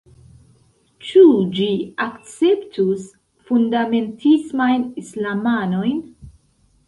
Ĉu ĝi akceptus fundamentismajn islamanojn?